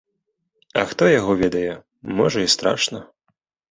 А хто яго ведае, можа, і страшна.